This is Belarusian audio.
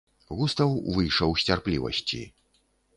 Густаў выйшаў з цярплівасці.